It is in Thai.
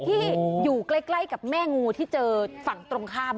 ที่อยู่ใกล้กับแม่งูที่เจอฝั่งตรงข้าม